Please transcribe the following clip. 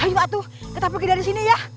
ayo waduh kita pergi dari sini ya